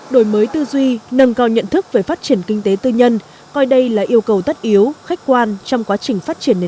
đổi mới tư duy nâng cao nhận thức về phát triển kinh tế tư nhân coi đây là yêu cầu tất yếu khách quan trong quá trình phát triển kinh tế tư nhân